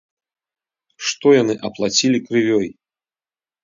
Што яны аплацілі крывёй?